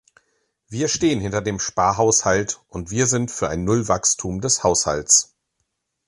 Wir stehen hinter dem Sparhaushalt, und wir sind für ein Nullwachstum des Haushalts.